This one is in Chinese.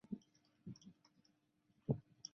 甚至于秋刀鱼也有烤鱼串的罐头在市面上贩售。